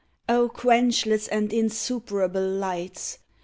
O quenchless and insuperable lights!